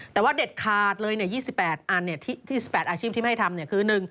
แต่ว่าเด็ดขาดเลย๒๘อันที่๑๘อาชีพที่ไม่ให้ทำคือ